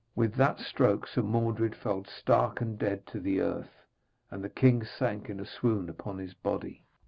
With that stroke Sir Mordred fell stark dead to the earth, and the king sank in a swoon upon his body.